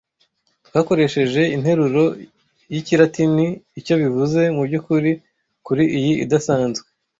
Twakoresheje interuro y'Ikilatini icyo bivuze mubyukuri Kuri iyi idasanzwe